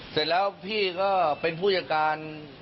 เสร็จแล้วพี่ก็เป็นผู้จัดการ